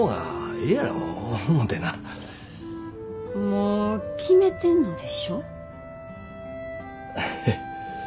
もう決めてんのでしょ？